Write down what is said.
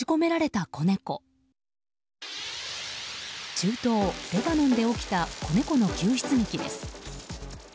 中東レバノンで起きた子猫の救出劇です。